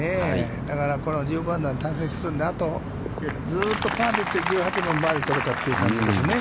だから、この１５アンダーで、あとずっとパーで来て、１８番、バーディーとるかといった感じですね。